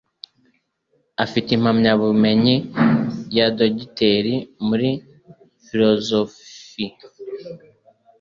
Afite impamyabumenyi ya dogiteri muri psychologiya.